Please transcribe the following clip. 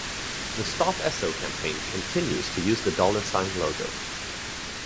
The Stop Esso campaign continues to use the dollar sign logo.